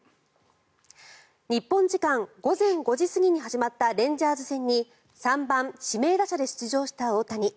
日本時間午前５時過ぎに始まったレンジャーズ戦に３番指名打者で出場した大谷。